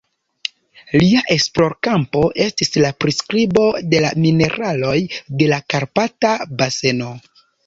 Lia esplorkampo estis la priskribo de la mineraloj de la Karpata baseno.